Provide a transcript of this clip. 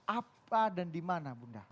apa dan di mana bunda